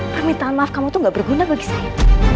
permintaan maaf kamu itu gak berguna bagi saya